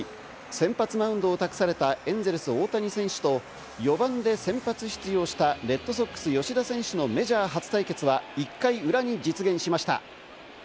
先発マウンドを託されたエンゼルス・大谷選手と４番で先発出場したレッドソックス・吉田選手のメジャー初対決は１回裏に実現しました。